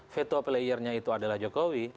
veto player nya itu adalah jokowi